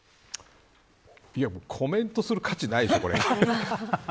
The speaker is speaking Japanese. コメントする価値ないでしょうこれ。